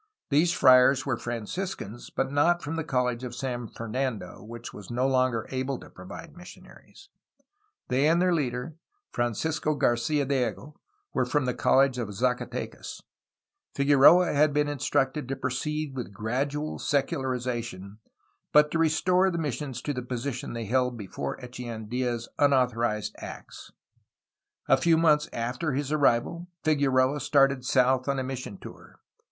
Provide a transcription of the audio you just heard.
These friars were Franciscans, but not from the College of San Fernando, which was no longer able to provide missionaries. They and UNDER MEXICAN GOVERNORS, 1822 1835. 469 their leader, Francisco Garcia Diego, were from the College of Zacatecas. Figueroa had been instructed to proceed with gradual secularization, but to restore the missions to the position they had held before Echeandia's unauthorized acts. A few months after his arrival Figueroa started south on a mission tour.